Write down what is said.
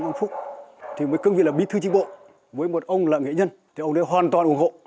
ông phúc thì mới cương vị là bí thư chính bộ với một ông là nghệ nhân thì ông đã hoàn toàn ủng hộ